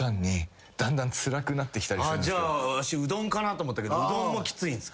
わしうどんかなと思ったけどうどんもきついんすか？